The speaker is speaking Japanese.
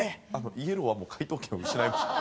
イエローはもう解答権を失いました。